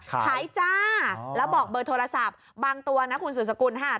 ขายจ้าแล้วบอกเบอร์โทรศัพท์บางตัวนะคุณสุดสกุลค่ะ